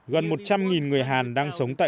gần một trăm linh người hàn đang sống tại